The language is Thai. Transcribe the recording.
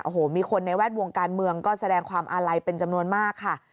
โอ้โหมีคนในแวดวงการเมืองก็แสดงความอาลัยเป็นจำนวนมากค่ะ